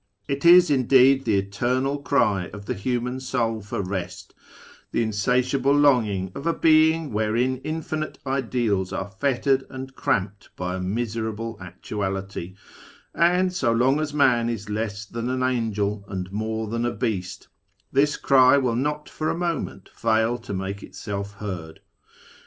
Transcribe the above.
It is, indeed, the eternal cry of the human soul for rest ; the insatiable longing of a l)eing wherein infinite ideals are fettered and cramped by a miserable actuality ; and so long as man is less than an angel and more than a beast, this cry will not for a moment fail to make itself heard.